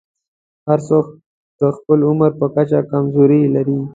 هر څوک د خپل عمر په کچه کمزورۍ لري.